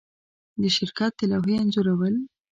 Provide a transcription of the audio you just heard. د شرکت د لوحې انځورول